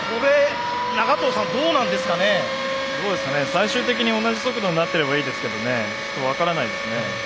最終的に同じ速度になってればいいですけどねちょっと分からないですね。